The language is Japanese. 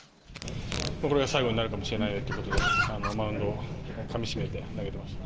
これが最後になるかもしれないっていうことで、マウンドをかみしめて投げていました。